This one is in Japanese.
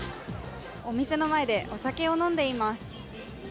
お店の前でお酒を飲んでいます。